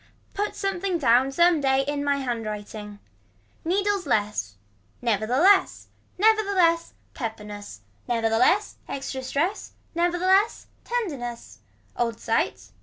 Put something down some day in my hand writing. Needles less. Never the less. Never the less. Pepperness. Never the less extra stress. Never the less. Tenderness. Old sight.